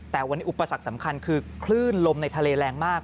แต่วันนี้อุปสรรคสำคัญคือคลื่นลมในทะเลแรงมาก